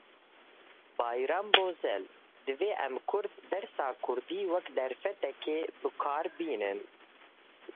Bayram Bozyel: Divê em Kurd dersa kurdî wek derfetekê bikar bînin